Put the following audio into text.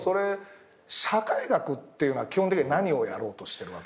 社会学っていうのは基本的には何をやろうとしてるわけなんすか。